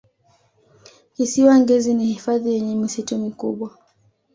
kisiwa ngezi ni hifadhi yenye misitu mikubwa